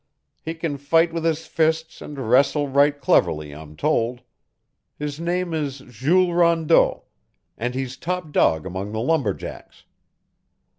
He can fight with his fists and wrestle right cleverly, I'm told. His name is Jules Rondeau, and he's top dog among the lumberjacks.